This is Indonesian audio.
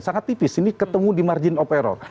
sangat tipis ini ketemu di margin of error